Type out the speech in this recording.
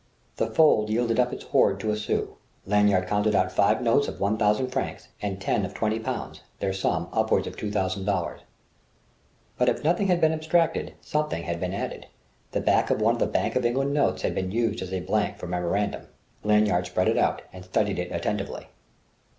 The fold yielded up its hoard to a sou: Lanyard counted out five notes of one thousand francs and ten of twenty pounds: their sum, upwards of two thousand dollars. But if nothing had been abstracted, something had been added: the back of one of the Bank of England notes had been used as a blank for memorandum. Lanyard spread it out and studied it attentively.